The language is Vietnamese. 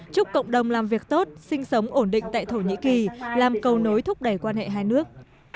chúc cộng đồng làm việc tốt sinh sống ổn định tại thổ nhĩ kỳ làm cầu nối thúc đẩy quan hệ hai nước